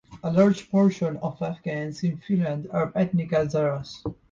A large portion of Afghans in Finland are ethnic Hazaras.